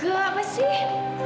gak apa sih